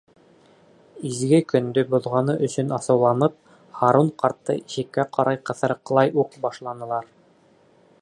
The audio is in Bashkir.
Изге көндө боҙғаны өсөн асыуланып, Һарун ҡартты ишеккә ҡарай ҡыҫырыҡлай уҡ башланылар.